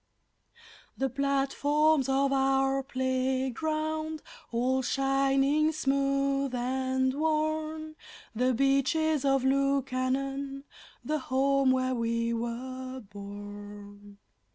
The platforms of our playground, all shining smooth and worn! The Beaches of Lukannon the home where we were born!